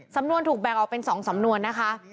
สำนวนถูกแบ่งออกเป็น๒สำนวนนะคะ